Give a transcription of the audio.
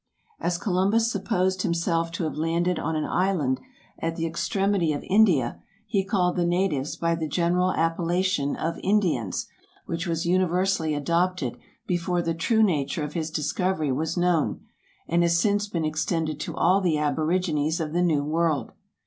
As Columbus supposed himself to have landed on an island at the extremity of India, he called the natives by the general appellation of Indians, which was universally adopted before the true nature of his discovery was known, and has since been extended to all the aborigines of the New World.